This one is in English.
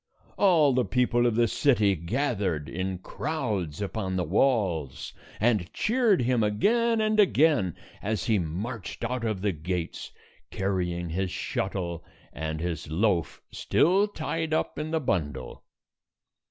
All the people of the city gathered in crowds upon the walls, and cheered him again and again as he marched out of the gates, carrying his shuttle and his loaf still tied up in the bundle.